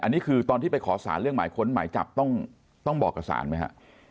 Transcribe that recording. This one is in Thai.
อันนี้คือตอนที่ไปขอสารเรื่องหมายค้นหมายจับต้องบอกกับสารไหมฮะ